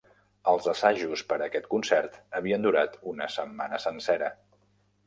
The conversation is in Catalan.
Els assajos per a aquest concert havien durat una setmana sencera.